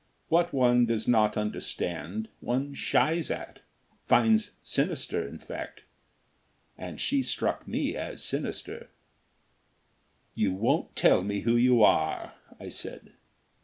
What one does not understand one shies at finds sinister, in fact. And she struck me as sinister. "You won't tell me who you are?" I said.